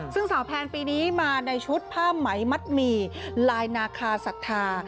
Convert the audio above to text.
ซึ่งสาวแพนปีนี้มาในชุดผ้าไหมมัดหมี่ลายนาคาศรัทธา